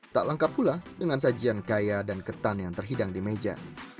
tak lengkap pula dengan sajian kaya dan ketan yang terhidang di meja